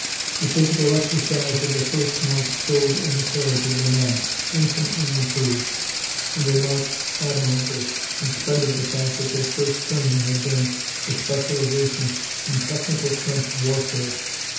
The physical exercise of the first month showed in the carriage of the men, infinitely improved, and they marched admirably, in spite of the fact that their first training had been a specialization in technical trench warfare.